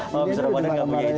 oh abis ramadhan nggak punya izin